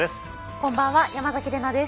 こんばんは山崎怜奈です。